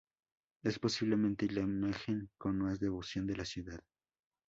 Es, posiblemente, la Imagen con más devoción de la ciudad.